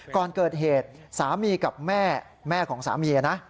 ก่อนเกิดเหตุสามีกับแม่แม่ของสามีนะ